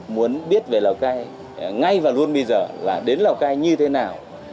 muốn biết về lào cai ngay và luôn bây giờ là đến lào cai như thế nào